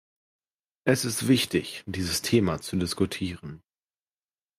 Es ist wichtig, dieses Thema zu diskutieren.